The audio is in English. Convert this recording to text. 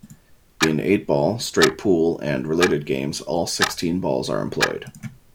In eight-ball, straight pool, and related games, all sixteen balls are employed.